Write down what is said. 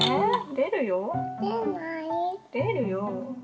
出るよ。